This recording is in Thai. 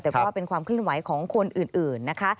แต่ก็เป็นความเคลื่อนไหวของคนอื่นนะคะ